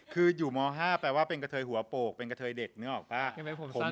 คืออยู่ม๕แปลว่าเป็นกระเทยหัวโปกเป็นกระเทยเด็กนึกออกป่ะ